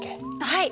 はい！